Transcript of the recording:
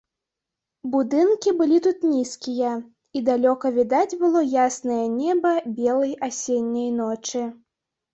Будынкі былі тут нізкія, і далёка відаць было яснае неба белай асенняй ночы.